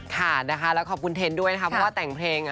ค่ะแล้วขอบคุณเทนท์ด้วยนะครับท่านนะคะเพื่อแต่งเพลง